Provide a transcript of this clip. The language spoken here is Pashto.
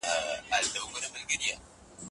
د ښه څېړونکي حافظه تر نورو ډېره پیاوړې وي.